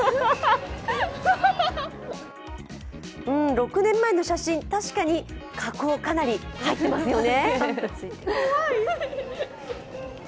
６年前の写真、確かに加工かなり入ってますよね。